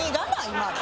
今の。